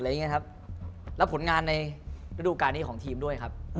แล้วผลงานในฤดูการนี้ของทีมด้วยครับ